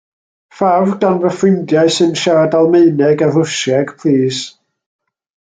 Ffafr gan fy ffrindiau sy'n siarad Almaeneg a Rwsieg plîs.